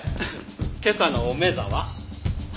今朝のおめざは？